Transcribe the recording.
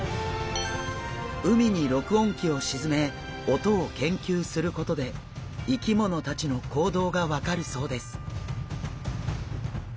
海に録音機を沈め音を研究することで生き物たちの行動が分かるそうです。